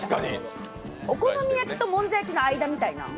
お好み焼きともんじゃ焼きの間みたいな。